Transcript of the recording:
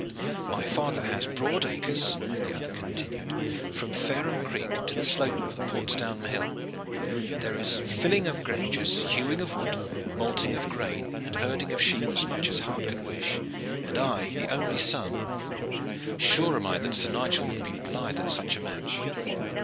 "My father has broad acres," the other continued, "from Fareham Creek to the slope of the Portsdown Hill. There is filling of granges, hewing of wood, malting of grain, and herding of sheep as much as heart could wish, and I the only son. Sure am I that Sir Nigel would be blithe at such a match."